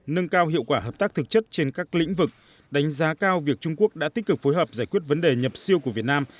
nâng cao hiệu quả hợp tác thực chất trên các lĩnh vực đánh giá cao việc trung quốc đã tích cực phối hợp giải quyết vấn đề nhập siêu của việt nam